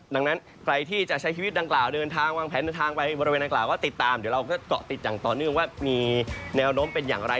ดังนั้นใครที่จะใช้ชีวิตดังกล่าวเดินทางวางแผนเดินทางไปบริเวณนางกล่าวก็ติดตามเดี๋ยวเราก็เกาะติดอย่างต่อเนื่องว่ามีแนวโน้มเป็นอย่างไร